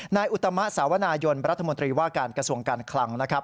อุตมะสาวนายนรัฐมนตรีว่าการกระทรวงการคลังนะครับ